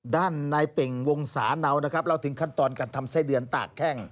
ด้านในเป่งวงศาเนานะครับเราถึงขั้นตอนการทำไส้เดือนตากแข้ง